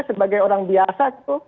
sebagai orang biasa gitu